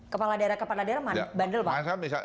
kepala daerah kepala daerah bandel pak